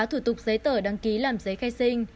thủ tục giấy tờ đăng ký làm giấy khai sinh